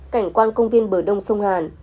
cảnh quan công viên bờ đông sông hàn